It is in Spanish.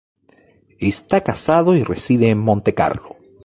Está casado y reside en Montecarlo.